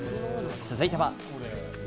続いては。